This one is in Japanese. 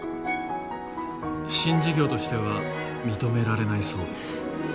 新事業としては認められないそうです。